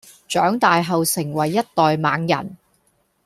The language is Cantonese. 長大後成為一代猛人